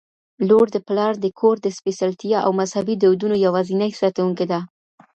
لور د پلار د کور د سپیڅلتیا او مذهبي دودونو یوازینۍ ساتونکي ده